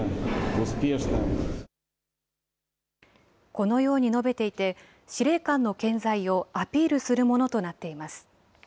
このように述べていて、司令官の健在をアピールするものとなっています。